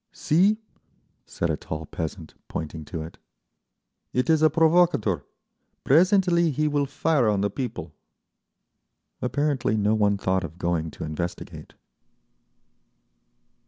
"See!" said a tall peasant, pointing to it. "It is a provocator. Presently he will fire on the people…." Apparently no one thought of going to investigate.